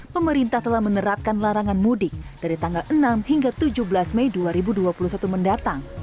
pemerintah telah menerapkan larangan mudik dari tanggal enam hingga tujuh belas mei dua ribu dua puluh satu mendatang